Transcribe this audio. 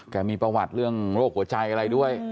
มีประวัติเรื่องโรคหัวใจอะไรด้วย